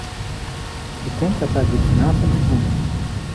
Ik denk dat wij dit vanavond doen.